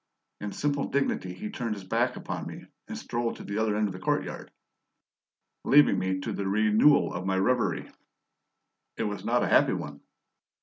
In simple dignity he turned his back upon me and strolled to the other end of the courtyard, leaving me to the renewal of my reverie. It was not a happy one.